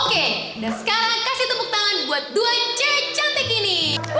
oke dan sekarang kasih tepuk tangan buat dua c cantik ini